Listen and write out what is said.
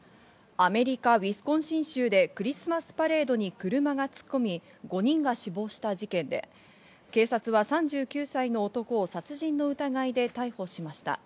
アメリカ・ウィスコンシン州でクリスマスパレードに車が突っ込み、５人が死亡した事件で警察は３９歳の男を殺人の疑いで逮捕しました。